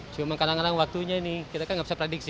cuma kadang kadang waktunya ini kita kan nggak bisa prediksi